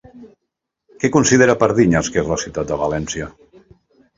Què considera Pardiñas que és la ciutat de València?